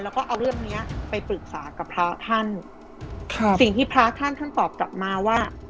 แล้วก็เอาเรื่องเนี้ยไปปรึกษากับพระท่านค่ะสิ่งที่พระท่านท่านตอบกลับมาว่า